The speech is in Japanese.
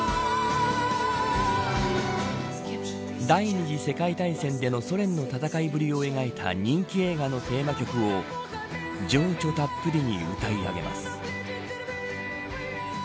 第２次世界大戦でのソ連の戦いぶりを描いた人気映画のテーマ曲を情緒たっぷりに歌い上げます。